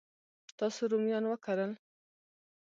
تاسو رومیان وکرل؟